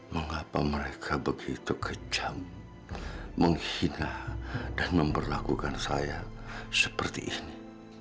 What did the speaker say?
mengapa mereka begitu kejam menghina dan memperlakukan saya seperti ini